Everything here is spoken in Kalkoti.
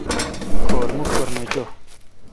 کھور مکھ پر نہ چو۔